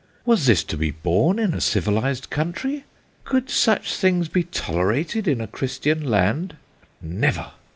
Was this to be borne in a civilised country ? Could such things bo tolerated in a Christian land ? Never